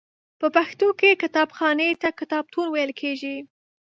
په پښتو کې کتابخانې ته کتابتون ویل کیږی.